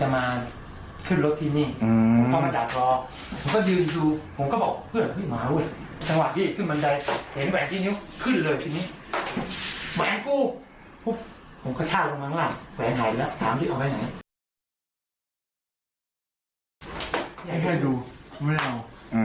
ไม่ได้ดูไม่ได้เอา